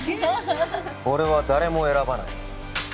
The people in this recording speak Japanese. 俺は誰も選ばない